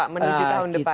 menuju tahun depan